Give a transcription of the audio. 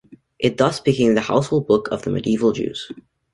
It thus became the household book of the medieval Jews.